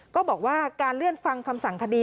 ก็บอกว่าการเลื่อนฟังคำสั่งคดี